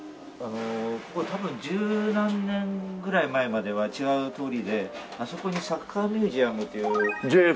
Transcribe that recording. ここ多分十何年ぐらい前までは違う通りであそこにサッカーミュージアムという。